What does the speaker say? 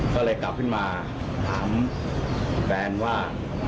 ก็เลยกลับขึ้นมาถามแฟนว่า